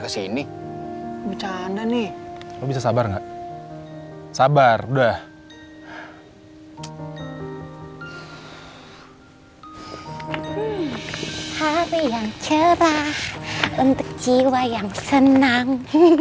kesini bercanda nih bisa sabar gak sabar udah hari yang cerah untuk jiwa yang senang